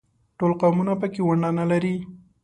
ټول قومونه په کې ونډه نه لري.